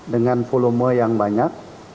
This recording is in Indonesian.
dengan volume yang banyak